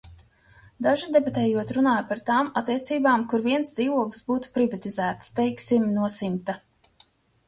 Daži debatējot runāja par tām attiecībām, kur viens dzīvoklis būtu privatizēts, teiksim, no simta.